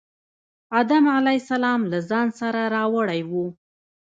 آدم علیه السلام له ځان سره راوړی و.